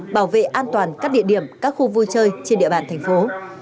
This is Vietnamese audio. bảo vệ an toàn các địa điểm các khu vui chơi trên địa bàn thành phố